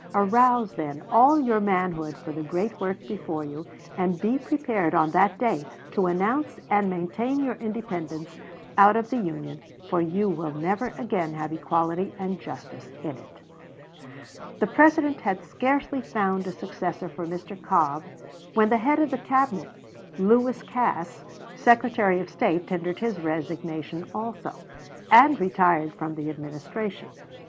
Arouse, then, all your manhood for the great work before you, and be prepared on that day to announce and maintain your independence out of the Union, for you will never again have equality and justice in it." G.T. Curtis, "Life of James Buchanan." Vol. II., p. 399. The President had scarcely found a successor for Mr. Cobb when the head of his Cabinet, Lewis Cass, Secretary of State, tendered his resignation also, and retired from the Administration.